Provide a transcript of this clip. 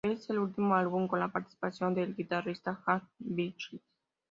Es el último álbum con la participación del guitarrista Jacky Vincent.